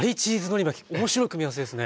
面白い組み合わせですね。